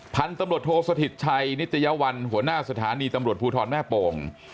พันธุ์ตำรวจโทษสถิตชัยนิตยวัลหัวหน้าสถานีตำรวจภูทรแม่โป่ง